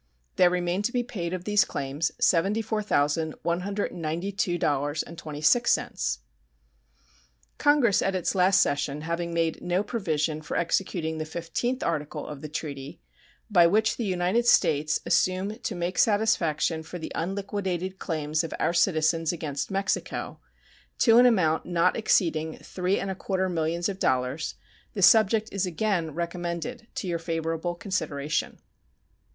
There remain to be paid of these claims $74,192.26. Congress at its last session having made no provision for executing the fifteenth article of the treaty, by which the United States assume to make satisfaction for the "unliquidated claims" of our citizens against Mexico to "an amount not exceeding three and a quarter millions of dollars," the subject is again recommended to your favorable consideration.